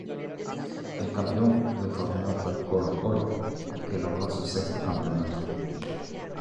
El campeón del torneo fue Colo-Colo, que logró su sexto campeonato.